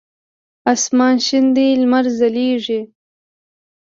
اسمان شین دی لمر ځلیږی